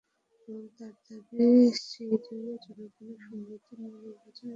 বরং তাঁর দাবি, সিরীয় জনগণের সম্মতি নিয়ে নির্বাচনের মাধ্যমে দায়িত্ব নিয়েছেন তিনি।